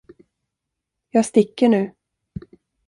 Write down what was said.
Jag sticker nu.